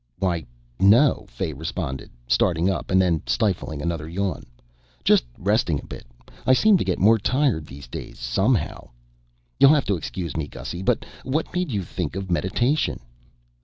"Why, no," Fay responded, starting up and then stifling another yawn. "Just resting a bit. I seem to get more tired these days, somehow. You'll have to excuse me, Gussy. But what made you think of meditation?"